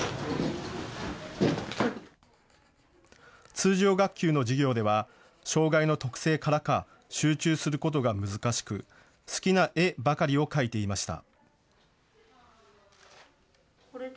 通常学級の授業では障害の特性からか集中することが難しく、好きな絵ばかりを描いていました。